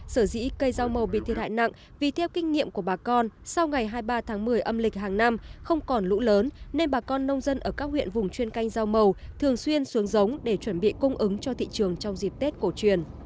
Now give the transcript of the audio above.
sở dĩ cây rau màu bị thiệt hại nặng vì theo kinh nghiệm của bà con sau ngày hai mươi ba tháng một mươi âm lịch hàng năm không còn lũ lớn nên bà con nông dân ở các huyện vùng chuyên canh rau màu thường xuyên xuống giống để chuẩn bị cung ứng cho thị trường trong dịp tết cổ truyền